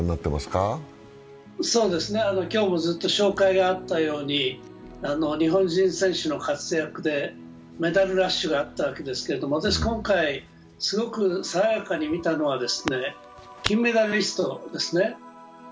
今日もずっと紹介があったように、日本人選手の活躍でメダルラッシュがあったわけですけど、私、今回、すごく爽やかに見たのは金メダリストですね。